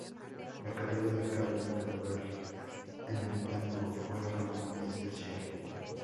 La carrera de Carmen Duval en el tango fue algo muy especial.